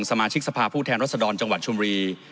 สมาชิกสภาพผู้แทนรัศดรจังหวัดชมบุรี